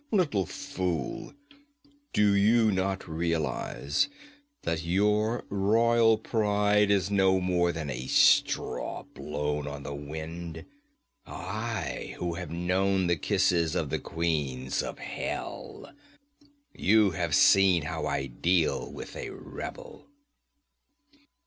Little fool, do you not realize that your royal pride is no more than a straw blown on the wind? I, who have known the kisses of the queens of Hell! You have seen how I deal with a rebel!'